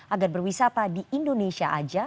agar berwisata di indonesia aja